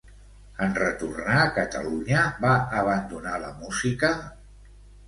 En retornar a Catalunya va abandonar la música?